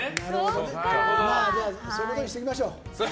じゃあそういうことにしておきましょう。